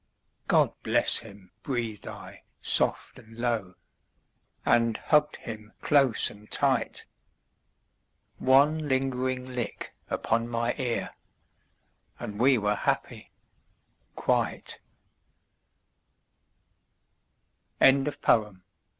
"God bless him," breathed I soft and low, And hugged him close and tight. One lingering lick upon my ear And we were happy quite. ANONYMOUS.